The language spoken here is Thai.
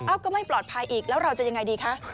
ก็ไม่ปลอดภัยอีกแล้วเราจะยังไงดีคะ